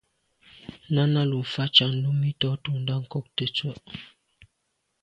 Náná lù fá càŋ Númí tɔ̌ tûɁndá ŋkɔ̀k tə̀tswə́Ɂ.